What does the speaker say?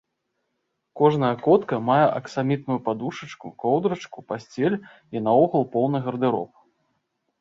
Кожная котка мае аксамітную падушачку, коўдрачку, пасцель і наогул поўны гардэроб.